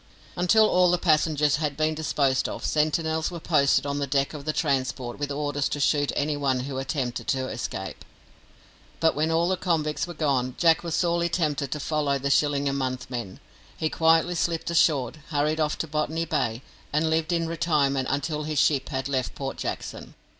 Until all the passengers had been disposed of, sentinels were posted on the deck of the transport with orders to shoot anyone who attempted to escape. But when all the convicts were gone, Jack was sorely tempted to follow the shilling a month men. He quietly slipped ashore, hurried off to Botany Bay, and lived in retirement until his ship had left Port Jackson.